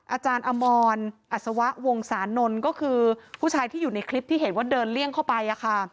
อาจารย์อมรอัศวะวงศานนท์ก็คือผู้ชายที่อยู่ในคลิปที่เห็นว่าเดินเลี่ยงเข้าไป